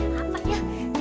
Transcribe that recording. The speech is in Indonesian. wah apa ya